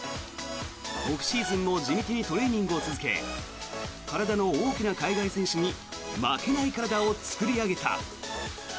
オフシーズンも地道にトレーニングを続け体の大きな海外選手に負けない体を作り上げた。